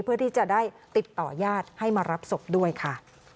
เพื่อที่จะได้ติดต่อญาติให้มารับศพด้วยค่ะ